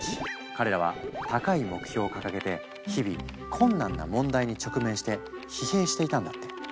彼らは高い目標を掲げて日々困難な問題に直面して疲弊していたんだって。